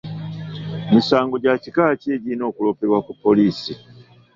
Misango gya kika ki egirina okuloopebwa ku poliisi?